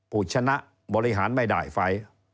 ผู้ชนะบริหารไม่ได้ไฟ